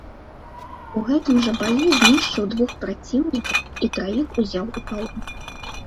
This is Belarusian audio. У гэтым жа баі знішчыў двух праціўнікаў і траіх узяў у палон.